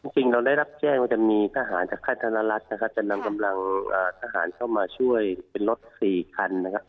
จริงได้รับแจ้งว่ามีทหารจากฆ่านรัฐที่ทำนำกำลังทหารเข้ามาช่วยรถสี่คันนะครับ